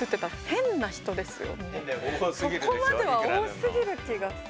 そこまでは多すぎる気がする。